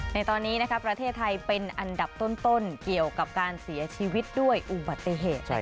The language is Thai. ในตอนนี้ประเทศไทยเป็นอันดับต้นเกี่ยวกับการเสียชีวิตด้วยอุบัติเหตุ